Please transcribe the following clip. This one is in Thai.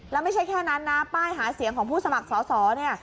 แล้วไม่ใช่แค่นั้นนะป้ายหาเสียงของผู้สมัครสอสอเนี่ย